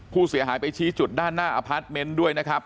ผู้เสียหายไปชี้จุดด้านหน้าอพาร์ทเมนต์ด้วยนะครับ